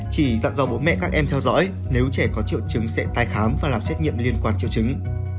chỉ dặn do bố mẹ các em theo dõi nếu trẻ có triệu chứng sẽ tái khám và làm xét nghiệm liên quan triệu chứng